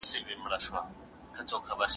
زه دې د ګام په ګام راتلو موسیقۍ